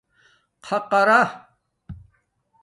خَقارا